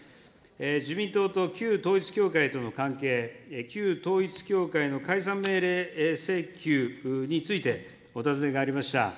自民党と旧統一教会との関係、旧統一教会の解散命令請求についてお尋ねがありました。